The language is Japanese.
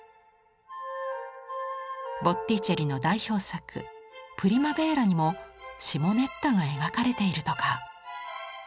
ボッティチェリの代表作「プリマヴェーラ」にもシモネッタが描かれているとか。